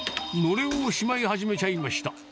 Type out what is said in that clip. のれんをしまい始めちゃいました。